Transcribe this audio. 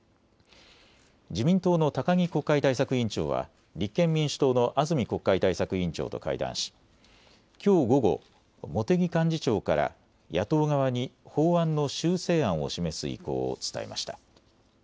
自民党の高木国会対策委員長は立憲民主党の安住国会対策委員長と会談し、きょう午後、茂木幹事長から野党側に法案の修正案を示す意向を伝えました。